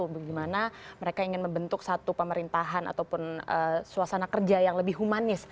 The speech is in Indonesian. bagaimana mereka ingin membentuk satu pemerintahan ataupun suasana kerja yang lebih humanis